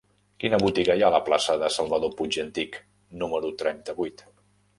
Quina botiga hi ha a la plaça de Salvador Puig i Antich número trenta-vuit?